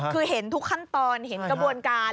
คือเห็นทุกขั้นตอนเห็นกระบวนการ